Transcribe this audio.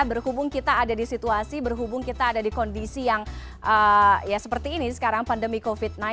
berhubung kita ada di situasi berhubung kita ada di kondisi yang ya seperti ini sekarang pandemi covid sembilan belas